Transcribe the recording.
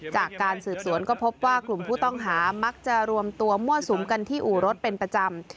จากการสืบสวนก็พบว่ากลุ่มผู้ต้องหามักจะรวมตัวมั่วสุมกันที่อู่รถเป็นประจำ